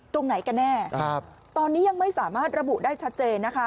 ตรงไหนกันแน่ตอนนี้ยังไม่สามารถระบุได้ชัดเจนนะคะ